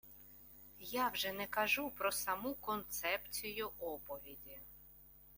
Я вже не кажу про саму концепцію оповіді